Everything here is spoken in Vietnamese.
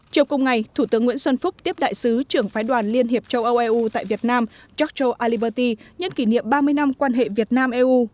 chiều cùng ngày thủ tướng nguyễn xuân phúc tiếp đại sứ trưởng phái đoàn liên hiệp châu âu eu tại việt nam churchil aliberti nhân kỷ niệm ba mươi năm quan hệ việt nam eu